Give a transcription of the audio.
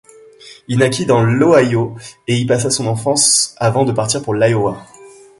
Il naquit dans l'Ohio et y passa son enfance avant de partir pour l'Iowa.